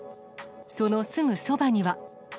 そのすぐそばには。